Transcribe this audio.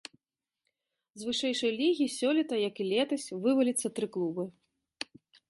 З вышэйшай лігі сёлета, як і летась, вываліцца тры клубы.